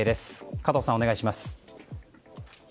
加藤さん、お願いします。